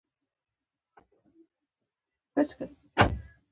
جانانه ولاړې اسماني شوې - اسمان چې ځمکې ته راځي؛ قيامت به وينه